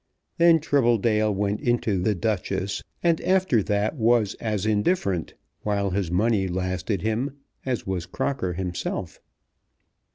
Then Tribbledale went into "The Duchess," and after that was as indifferent, while his money lasted him, as was Crocker himself.